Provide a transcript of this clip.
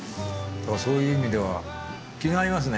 そういう意味では気が合いますね。